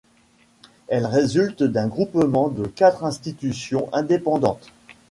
Elle résulte d'un groupement de quatre institutions indépendantes.